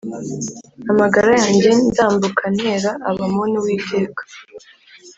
amagara yanjye ndambuka ntera Abamoni Uwiteka